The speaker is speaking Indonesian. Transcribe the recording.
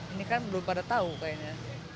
ini kan belum pada tahu kayaknya